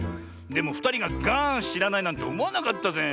でもふたりがガーンしらないなんておもわなかったぜ。